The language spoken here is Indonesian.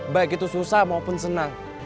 baik itu susah maupun senang